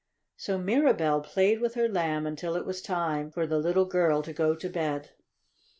So Mirabell played with her Lamb until it was time for the little girl to go to bed.